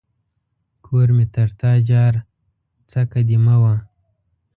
کور مې تر تا جار ، څکه دي مه وه.